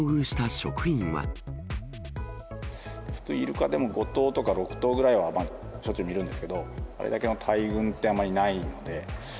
普通イルカでも５頭とか、６頭とかはしょっちゅう見るんですけど、あれだけの大群って、あまりないんで。